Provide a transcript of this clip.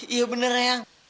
iya bener yang